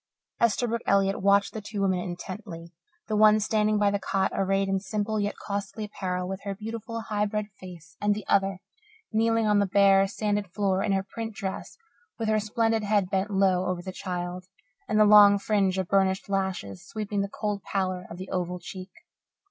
Esterbrook Elliott watched the two women intently the one standing by the cot, arrayed in simple yet costly apparel, with her beautiful, high bred face, and the other, kneeling on the bare, sanded floor in her print dress, with her splendid head bent low over the child and the long fringe of burnished lashes sweeping the cold pallor of the oval cheek.